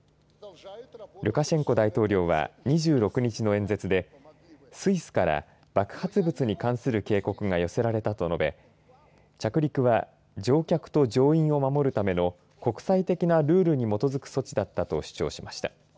ルカシェンコ大統領は２６日の演説でスイスから爆発物に関する警告が寄せられたと述べ着陸は乗客と乗員を守るための国際的なルールに基づく措置だったと主張しました。